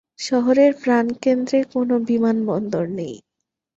শহরের প্রাণকেন্দ্রে কোনো বিমানবন্দর নেই।